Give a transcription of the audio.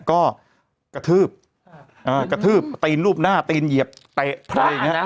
ก็กระทืบตีนรูปหน้าตีนเหยียบเตะอะไรอย่างนี้